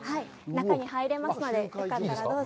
中に入れますので、よかったら、どうぞ。